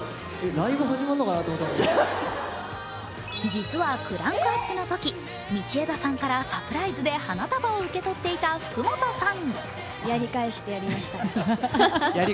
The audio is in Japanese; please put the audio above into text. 実はクランクアップのとき、道枝さんからサプライズで花束を受け取っていた福本さん。